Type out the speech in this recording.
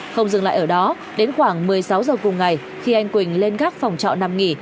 không dừng lại ở đó đến khoảng một mươi sáu giờ cùng ngày khi anh quỳnh lên gác phòng trọ nằm nghỉ